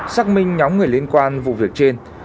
xác minh nhóm người liên quan vụ việc trên